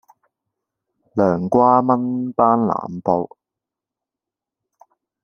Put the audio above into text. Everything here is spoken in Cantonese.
涼瓜炆班腩煲